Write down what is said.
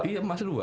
iya emasnya dua